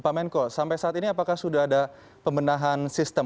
pak menko sampai saat ini apakah sudah ada pembenahan sistem